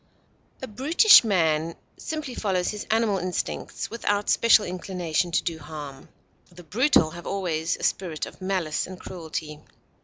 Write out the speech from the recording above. A brutish man simply follows his animal instincts, without special inclination to do harm; the brutal have always a spirit of malice and cruelty.